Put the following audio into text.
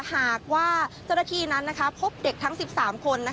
หากว่าเจ้าหน้าที่นั้นพบเด็กทั้ง๑๓คน